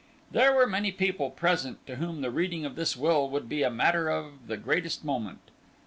There were many people present to whom the reading of this will would be a matter of the greatest moment.